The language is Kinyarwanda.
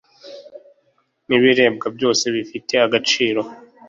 n ibiribwa byose bifite agaciro